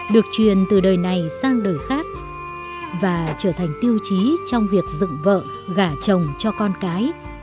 được truyền từ đời này sang đời khác và trở thành tiêu chí trong việc dựng vợ gả chồng cho con cái